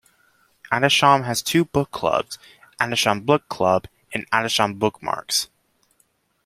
Adisham has two book clubs: Adisham Book Club and Adisham Bookmarks.